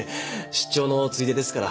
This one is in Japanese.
出張のついでですから